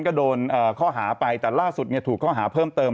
ก็โดนข้อหาไปแต่ล่าสุดถูกข้อหาเพิ่มเติม